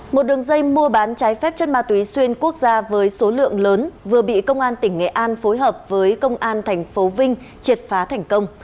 một đường dây mua bán trái phép chất ma túy xuyên quốc gia với số lượng lớn vừa bị công an tỉnh nghệ an phối hợp với công an tp vinh triệt phá thành công